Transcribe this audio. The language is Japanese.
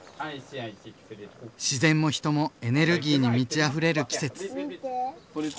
自然も人もエネルギーに満ちあふれる季節。